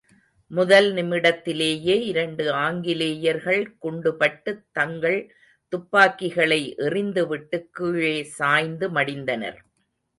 முதல் நிமிடத்திலேயே இரண்டு ஆங்கிலேயர்கள் குண்டுபட்டுத் தங்கள் துப்பாக்கிகளை எறிந்து விட்டுக் கீழே சாய்ந்து மடிந்தனர்.